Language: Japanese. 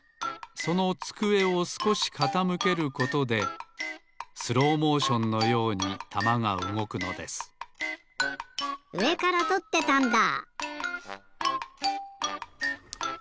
そのつくえをすこしかたむけることでスローモーションのようにたまがうごくのですうえからとってたんだ！